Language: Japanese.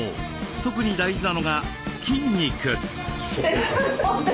特に大事なのが筋肉。